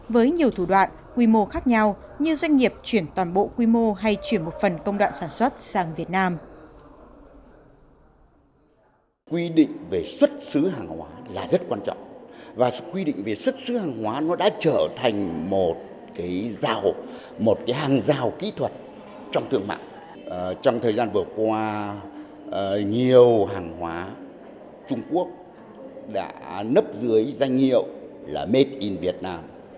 với nhiều thủ đoạn quy mô khác nhau như doanh nghiệp chuyển toàn bộ quy mô hay chuyển một phần công đoạn sản xuất sang việt nam